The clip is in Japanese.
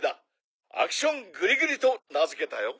「アクショングリグリと名付けたよ」